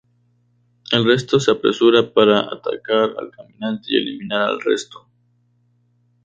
El resto se apresura para atacar al caminante y eliminar al resto.